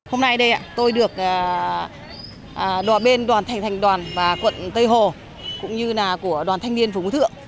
hôm nay tôi được đòi bên đoàn thành thành đoàn và quận tây hồ cũng như là của đoàn thanh niên phùng thượng